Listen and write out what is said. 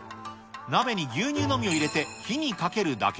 鍋に牛乳のみを入れて火にかけるだけ。